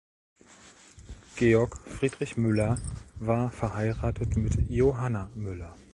Georg Friedrich Müller war verheiratet mit Johanna Müller.